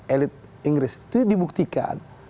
elit inggris itu dibuktikan